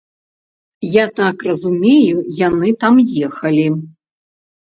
Я так разумею, яны там ехалі.